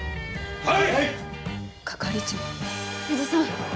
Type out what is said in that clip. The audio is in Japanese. はい！